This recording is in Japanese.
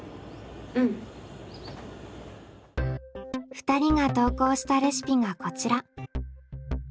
２人が投稿したレシピがこちら。